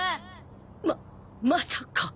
ままさか。